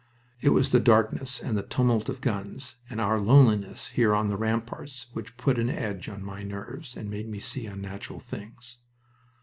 It was the darkness, and the tumult of guns, and our loneliness here on the ramparts, which put an edge to my nerves and made me see unnatural things.